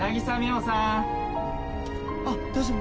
あっ大丈夫？